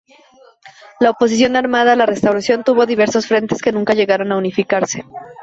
La oposición armada a la restauración tuvo diversos frentes que nunca llegaron a unificarse.